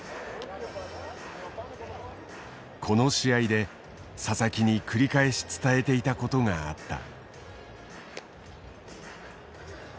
この試合で佐々木に繰り返し伝えていたことがあった。